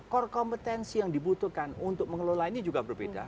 core kompetensi yang dibutuhkan untuk mengelola ini juga berbeda